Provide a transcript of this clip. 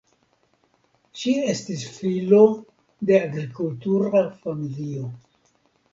Li estis filo de agrikultura familio.